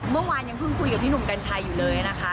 เมื่อวานยังเพิ่งคุยกับพี่หนุ่มกัญชัยอยู่เลยนะคะ